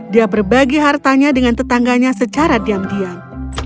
dia berbagi hartanya dengan tetangganya secara diam diam